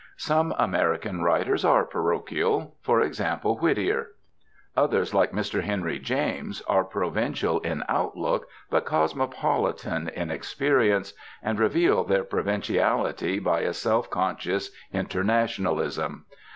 Some American writers are parochial, for example, Whittier. Others, like Mr. Henry James, are provincial in outlook, but cosmopolitan in experience, and reveal their provinciality by a self conscious internationalism.